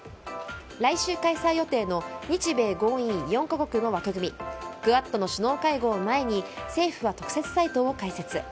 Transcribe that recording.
来週、開催予定の日米豪印４か国の枠組みクアッドの首脳会合を前に政府は特設サイトを開設。